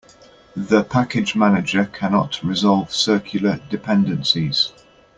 The package manager cannot resolve circular dependencies.